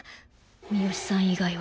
三好さん以外は。